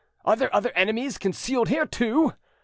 "Are there other enemies concealed here too?"